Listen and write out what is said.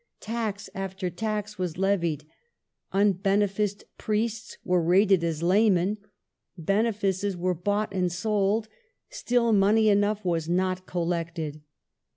Tax after tax was levied; unbeneficed priests were rated as laymen ; benefices were bought and sold; still money enough was not collected.